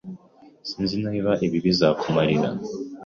Sinzi niba ibi bizakumarira. )